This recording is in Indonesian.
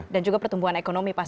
juga pertumbuhan ekonomi pasti